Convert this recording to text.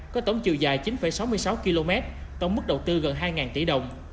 có tổng chiều dài chín sáu mươi sáu km tổng mức đầu tư gần hai tỷ đồng